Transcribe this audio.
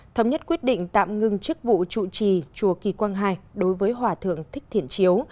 thống nhất quyết định tạm ngưng chức vụ trụ trì chùa kỳ quang hai đối với hòa thượng thích thiện chiếu